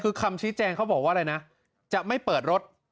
คือคำชี้แจงเขาบอกว่าอะไรนะจะไม่เปิดรถ